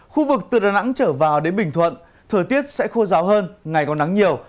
khu vực từ đà nẵng trở vào đến bình thuận thời tiết sẽ khô ráo hơn ngày còn nắng nhiều